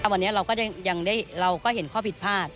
อ่ะวันนี้เราก็ยังได้เราก็เห็นข้อผิดพลาด